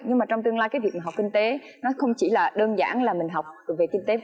nhưng mà trong tương lai cái việc học kinh tế nó không chỉ là đơn giản là mình học về kinh tế